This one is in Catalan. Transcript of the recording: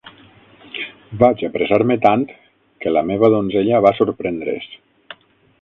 Vaig apressar-me tant que la meva donzella va sorprendre's.